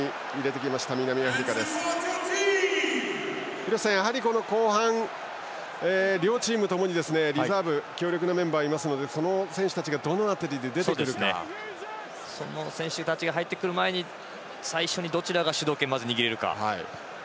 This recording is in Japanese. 廣瀬さん、やはり後半両チームともにリザーブに強力なメンバーがいますのでその選手たちがその選手たちが入ってくる前に最初にどちらが主導権を握れるか。